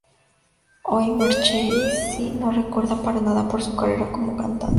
Hoy Marchesi no se recuerda para nada por su carrera como cantante.